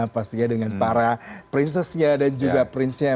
pastinya dengan para prinsesnya dan juga prinsnya